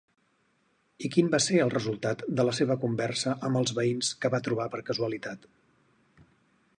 ¿I quin va ser el resultat de la seva conversa amb els veïns que va trobar per casualitat?